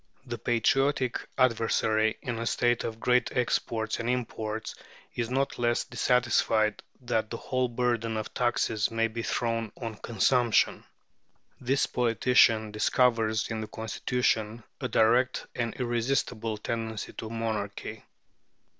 The patriotic adversary in a state of great exports and imports is not less dissatisfied that the whole burden of taxes may be thrown on consumption. This politician discovers in the constitution a direct and irresistible tendency to monarchy.